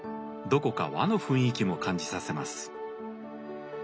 どこか和の雰囲気も感じさせます。